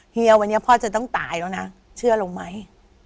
เฮียวันนี้พ่อจะต้องตายแล้วนะเชื่อลงไหม